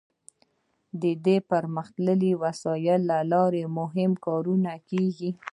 د دې پرمختللو وسایلو له لارې مهم کارونه کیږي.